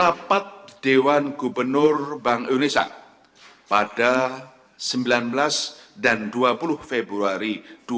rapat dewan gubernur bank indonesia pada sembilan belas dan dua puluh februari dua ribu dua puluh